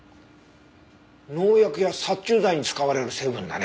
農薬や殺虫剤に使われる成分だね。